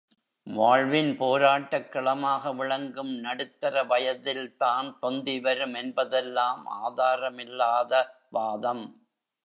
வாழ்வின் போராட்டக் களமாக விளங்கும் நடுத்தர வயதில் தான் தொந்தி வரும் என்பதெல்லாம் ஆதாரமில்லாத வாதம்.